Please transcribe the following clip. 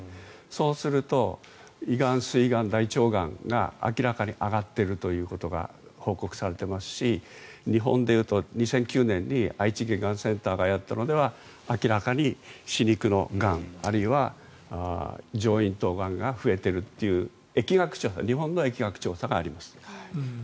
そうすると胃がん、すいがん、大腸がんが明らかに上がっているということが報告されていますし日本で言うと２００９年に愛知外科センターがやったのは明らかに歯肉のがんあるいは上咽頭がんが増えているという日本の疫学調査があります。